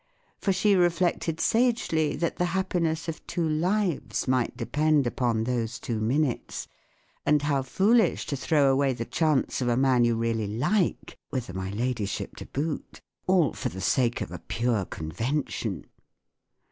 For she reflected sagely that the happiness of two lives might depend upon those two minutes; and how foolish to throw away the chance of a man you really like (with a my ladyship to boot), all for the sake of a pure convention